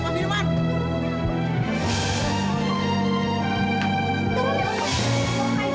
mulilah pak firman